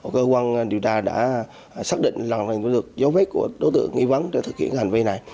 cơ quan điều tra đã xác định lần này dấu vết của đối tượng nghi vấn để thực hiện hành vi này